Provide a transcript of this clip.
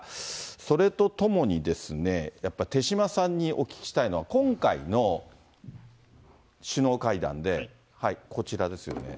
それとともにですね、やっぱ、手嶋さんにお聞きしたいのは、今回の首脳会談で、こちらですよね。